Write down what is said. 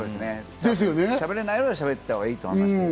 しゃべれないよりはしゃべったほうがいいですよね。